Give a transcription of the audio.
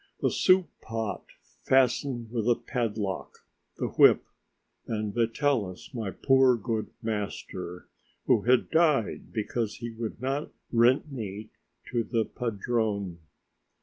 the soup pot fastened with a padlock, the whip, and Vitalis, my poor, good master, who had died because he would not rent me to the padrone.